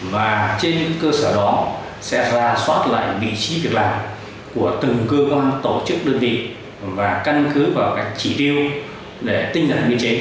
và trên những cơ sở đó sẽ ra soát lại vị trí việc làm của từng cơ quan tổ chức đơn vị và căn cứ vào các chỉ tiêu để tinh giản biên chế